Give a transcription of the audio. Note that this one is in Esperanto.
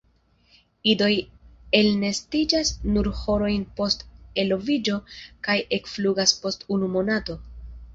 Idoj elnestiĝas nur horojn post eloviĝo kaj ekflugas post unu monato.